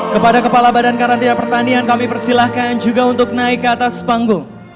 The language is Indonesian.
kepada kepala badan karantina pertanian kami persilahkan juga untuk naik ke atas panggung